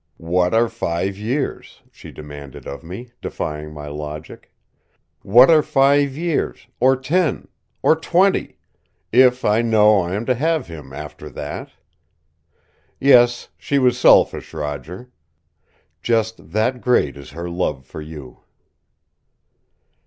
'What are five years?' she demanded of me, defying my logic. 'What are five years or ten or twenty, IF I KNOW I AM TO HAVE HIM AFTER THAT?' Yes, she was selfish, Roger. Just that great is her love for you."